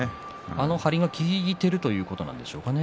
あの張りが効いているということなんでしょうかね。